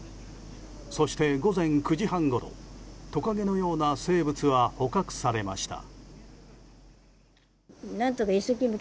そして午前９時半ごろトカゲのような生物は捕獲されました。